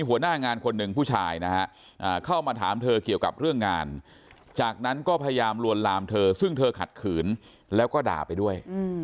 หัวหน้างานคนหนึ่งผู้ชายนะฮะเข้ามาถามเธอเกี่ยวกับเรื่องงานจากนั้นก็พยายามลวนลามเธอซึ่งเธอขัดขืนแล้วก็ด่าไปด้วย